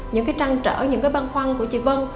những cái trăng trở những cái băn khoăn của chị vân